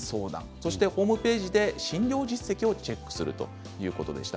そして、ホームページで診療実績をチェックするということでした。